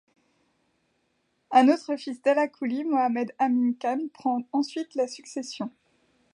Un autre fils d'Alla Kouli, Mohammed Amin Khan, prend ensuite la succession.